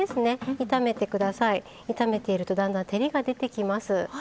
炒めているとだんだん照りが出てきます。